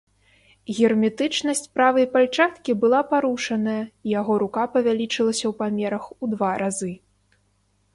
Герметычнасць правай пальчаткі была парушаная, і яго рука павялічылася ў памерах у два разы.